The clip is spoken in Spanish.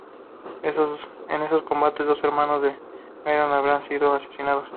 En esos combates, dos hermanos de Gedeón habrían sido asesinados.